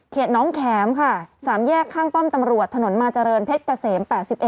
น้องแขมค่ะ๓แยกข้างป้อมตำรวจถนนมาเจริญเพชรเกษม๘๑